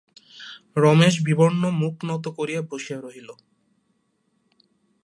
রমেশ বিবর্ণ মুখ নত করিয়া বসিয়া রহিল।